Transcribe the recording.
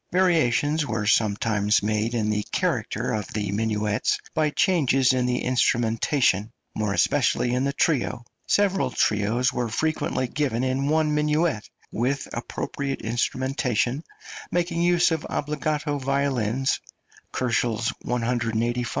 Variations were sometimes made in the character of the minuets by changes in the instrumentation, more especially in the trio. Several trios were frequently given to one minuet with appropriate instrumentation, making use of obbligato violins (185, 203, 204, 250, K.)